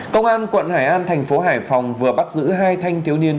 công an quận hải an thành phố hải phòng vừa bắt giữ hai thanh thiếu niên